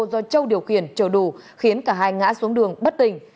do châu điều khiển chở đủ khiến cả hai ngã xuống đường bất tình